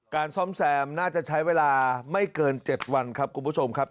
ซ่อมแซมน่าจะใช้เวลาไม่เกิน๗วันครับคุณผู้ชมครับ